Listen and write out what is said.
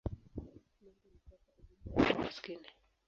Lengo ni kuwapa elimu watoto maskini.